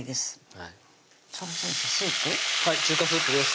はい中華スープです